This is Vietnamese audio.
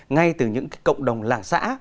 ngay từ những cộng đồng làng xã